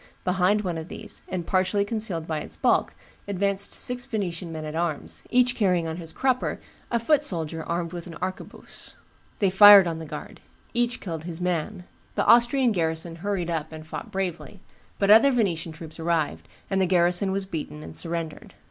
Behind one of these, and partially concealed by its bulk, advanced six Venetian men at arms, each carrying on his crupper a foot soldier armed with an arquebuse; they fired on the guard; each killed his man; the Austrian garrison hurried up and fought bravely; but other Venetian troops arrived, and the garrison was beaten and surrendered.